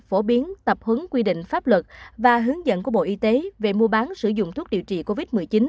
phổ biến tập hướng quy định pháp luật và hướng dẫn của bộ y tế về mua bán sử dụng thuốc điều trị covid một mươi chín